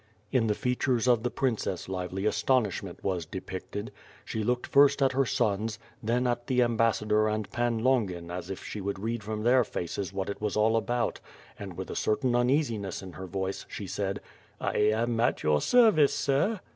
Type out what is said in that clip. *' In the features of the princess lively astonishment was depicted; she looked first at her sons, then at the ambassador and Pan Longin as if she would read from their faces what it was all about and with a certain uneasiness in her voice, she said: "I am at your service. Sir.''